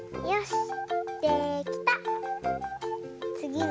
よし！